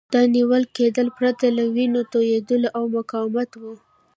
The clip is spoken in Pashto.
دا نیول کېدل پرته له وینو توېیدو او مقاومته وو.